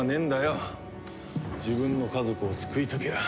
自分の家族を救いたきゃ